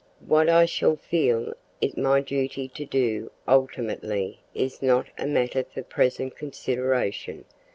"What I shall feel it my duty to do ultimately is not a matter for present consideration.